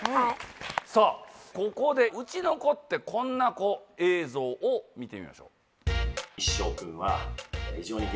さあここでうちの子ってこんな子映像を見てみましょう。